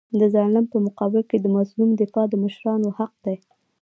د ظالم په مقابل کي د مظلوم دفاع د مشرانو حق دی.